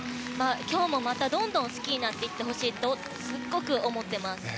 今日もどんどん好きになってほしいとすごく思ってます。